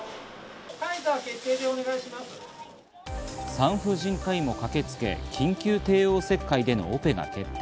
産婦人科医も駆けつけ緊急帝王切開でのオペが決定。